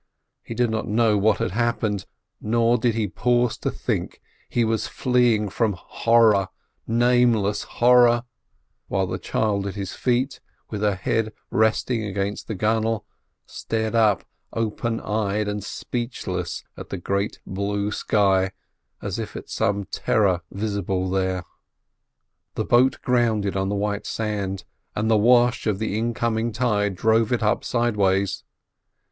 He did not know what had happened, nor did he pause to think: he was fleeing from horror—nameless horror; whilst the child at his feet, with her head resting against the gunwale, stared up open eyed and speechless at the great blue sky, as if at some terror visible there. The boat grounded on the white sand, and the wash of the incoming tide drove it up sideways.